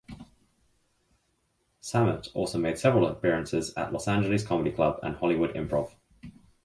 Samet also made several appearances at Los Angeles Comedy Club and Hollywood Improv.